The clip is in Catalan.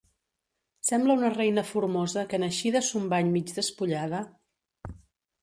Sembla una reina formosa que en eixir de son bany, mig despullada